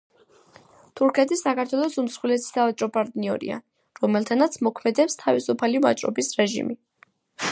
თურქეთი საქართველოს უმსხვილესი სავაჭრო პარტნიორია, რომელთანაც მოქმედებს თავისუფალი ვაჭრობის რეჟიმი.